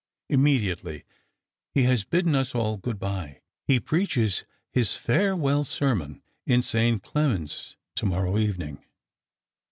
" Immediately. He has bidden us all good bye. He preacher his farewell sermon in St. Clement's to morrow evening."